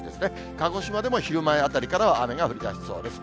鹿児島でも昼前あたりからは雨が降りだしそうです。